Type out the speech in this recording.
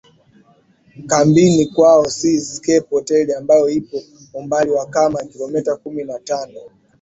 kambini kwao Sea Scape Hotel ambayo ipo umbali wa kama Kilomita kumi na tano